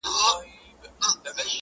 جانه ياره بس کړه ورله ورسه _